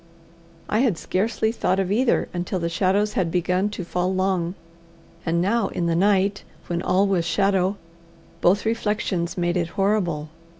I had scarcely thought of either until the shadows had begun to fall long, and now in the night, when all was shadow, both reflections made it horrible.